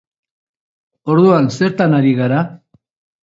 Orduan, zertan ari gara?